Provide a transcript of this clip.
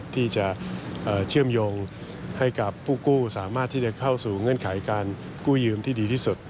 ที่จะเชื่อมโยงให้กับผู้กู้สามารถที่จะเข้าสู่เงื่อนไขการกู้ยืมที่ดีที่สุด